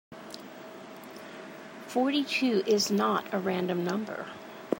Forty-two is not a random number.